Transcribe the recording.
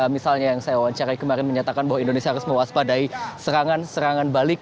misalnya yang saya wawancarai kemarin menyatakan bahwa indonesia harus mewaspadai serangan serangan balik